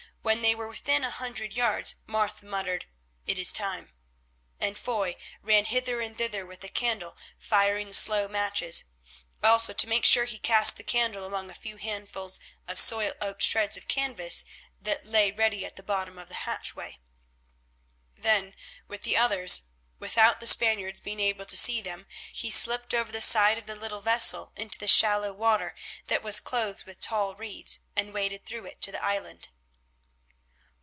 When they were within a hundred yards Martha muttered, "It is time," and Foy ran hither and thither with a candle firing the slow matches; also to make sure he cast the candle among a few handfuls of oil soaked shreds of canvas that lay ready at the bottom of the hatchway. Then with the others, without the Spaniards being able to see them, he slipped over the side of the little vessel into the shallow water that was clothed with tall reeds, and waded through it to the island.